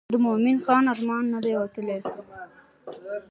د مومن خان ارمان نه دی وتلی.